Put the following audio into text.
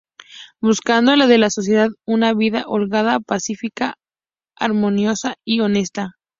Buscando de la sociedad una vida holgada, pacífica, armoniosa y honesta.